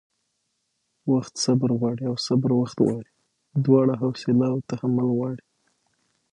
وخت صبر غواړي او صبر وخت غواړي؛ دواړه حوصله او تحمل غواړي